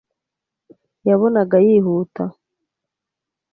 yabonaga yihuta. ”